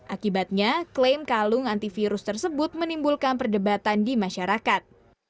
akibatnya klaim kalung antivirus tersebut menimbulkan perdebatan di masyarakat